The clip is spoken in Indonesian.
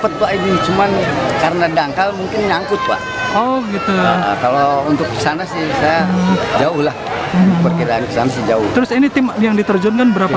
terus ini tim yang diterjunkan berapa